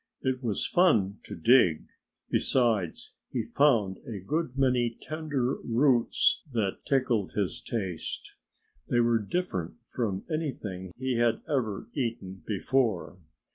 It was fun to dig. Besides, he found a good many tender roots that tickled his taste. They were different from anything he had ever eaten before.